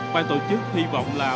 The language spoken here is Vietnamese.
bài tổ chức hy vọng là bốn mươi bảy